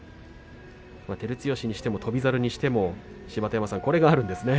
照強にしても翔猿にしても芝田山さん、これがあるんですね。